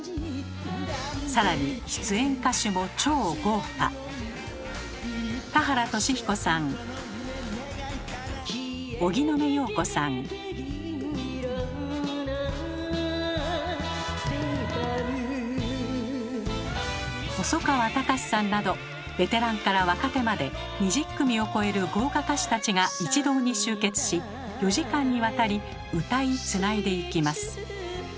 更に出演歌手も超豪華。などベテランから若手まで２０組を超える豪華歌手たちが一堂に集結し４時間にわたり歌いつないでいきます。